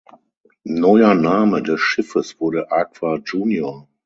Neuer Name des Schiffes wurde "Aqua Junior".